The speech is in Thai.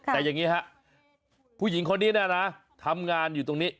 แต่อย่างงี้ครับหรือนี่นะฟูหญิงคนที่ทำงานอยู่ตรงนี้